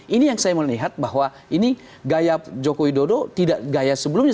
ini yang saya melihat bahwa ini gaya joko widodo tidak gaya sebelumnya